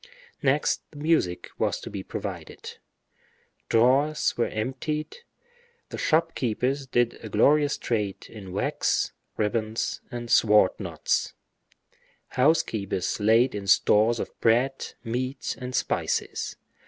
Next the music was to be provided; drawers were emptied; the shop keepers did a glorious trade in wax, ribbons, and sword knots; housekeepers laid in stores of bread, meat, and spices.